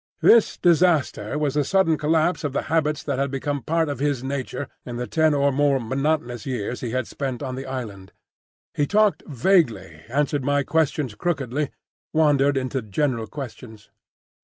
This disaster was the sudden collapse of the habits that had become part of his nature in the ten or more monotonous years he had spent on the island. He talked vaguely, answered my questions crookedly, wandered into general questions.